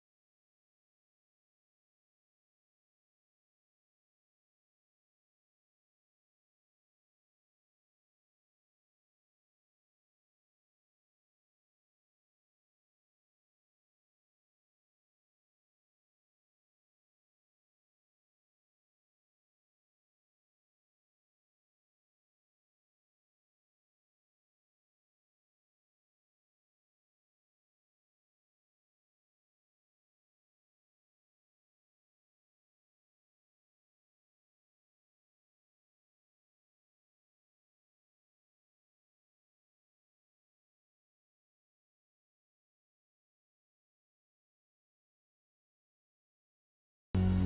tapi kamu bisa jaga dia